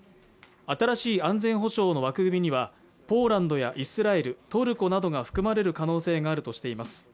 新しい安全保障の枠組みにはポーランドやイスラエルトルコなどが含まれる可能性があるとしています